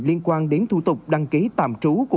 liên quan đến thủ tục đăng ký tạm trú